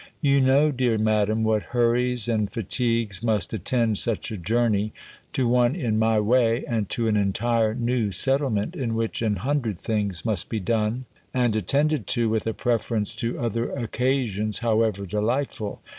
You know, dear Madam, what hurries and fatigues must attend such a journey, to one in my way, and to an entire new settlement in which an hundred things must be done, and attended to, with a preference to other occasions, however delightful.